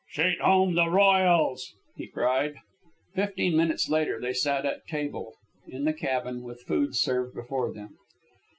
"Sheet home the royals!" he cried. Fifteen minutes later they sat at table, in the cabin, with food served before them.